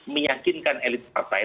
menyakinkan elit partai